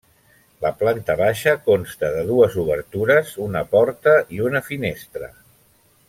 La planta baixa consta de dues obertures, una porta i una finestra.